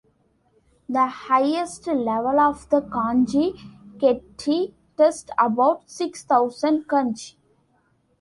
The highest level of the "Kanji kentei" tests about six thousand kanji.